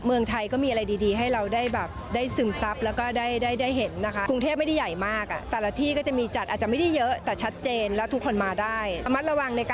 ยิ่งดาราไทยบ้านเราแล้วใส่ชุดไทยเข้าไป